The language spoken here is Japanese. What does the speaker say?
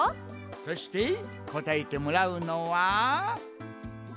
そしてこたえてもらうのは。